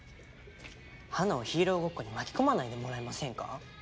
花をヒーローごっこに巻き込まないでもらえませんか？